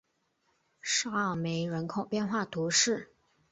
沙尔梅人口变化图示